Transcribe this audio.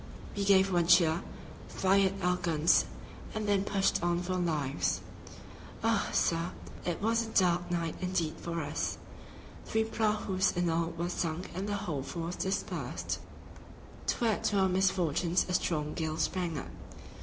We gave one cheer, fired our guns and then pushed on for our lives. "Ah! sir, it was a dark night indeed for us. Three prahus in all were sunk and the whole force dispersed." To add to our misfortunes a strong gale sprang up.